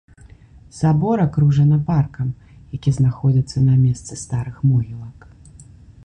Сабор акружана паркам, які знаходзіцца на месцы старых могілак.